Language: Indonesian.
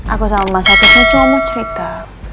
aku sama mas agus cuma mau cerita